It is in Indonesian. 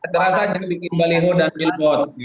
kang pipin ederaka jelikin balengu dan bilbot